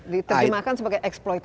diterima akan sebagai eksploitasi